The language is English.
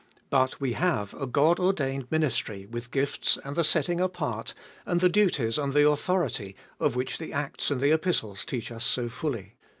But we have a God ordained ministry with the gifts and the setting apart, and the duties and the authority, of which the Acts and the Epistles teach us so fully.